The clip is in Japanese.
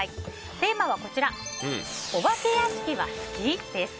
テーマはお化け屋敷は好き？です。